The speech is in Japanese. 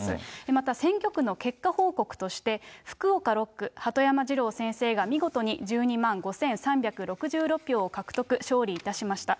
また選挙区の結果報告として、福岡６区、鳩山二郎先生が見事に１２万５３６６票を獲得、勝利いたしました。